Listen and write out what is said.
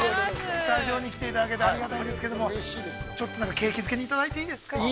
◆スタジオに来ていただいてうれしいですけども、ちょっと景気づけにいただいていいですか。